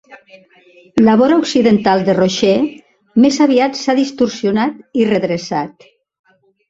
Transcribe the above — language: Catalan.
La vora occidental de Roche més aviat s'ha distorsionat i redreçat.